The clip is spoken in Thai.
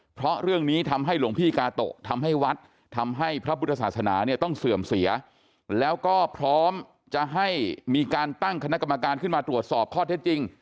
เพราะเรื่องนี้ทำให้หลวงพี่กาโตะทำให้วัดทำให้พระพุทธศาสนาเนี่ยต้องเสื่อมเสียแล้วก็พร้อมจะให้มีการตั้งคณะกรรมการขึ้นมาตรวจสอบข้อเท็จจริง